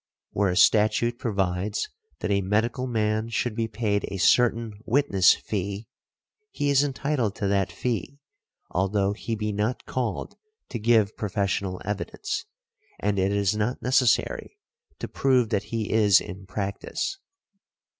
Where a statute provides that a medical man should be paid a certain witness fee, he is entitled to that fee although he be not called to give professional evidence, and it is not necessary to prove that he is in practice .